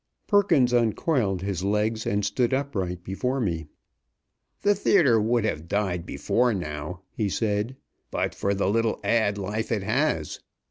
Perkins uncoiled his legs and stood upright before me. "The theatre would have died before now," he said, "but for the little ad. life it has.